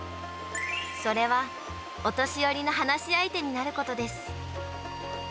それは、お年寄りの話し相手になることです。